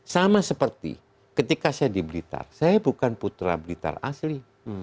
sama seperti ketika saya di blitar saya bukan putra blitar asli